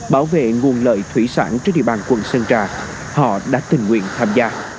bảo vệ nguồn lợi thủy sản trên địa bàn quận sơn trà họ đã tình nguyện tham gia